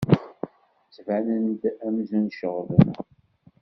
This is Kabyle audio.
Ttbanen-d amzun ceɣlen.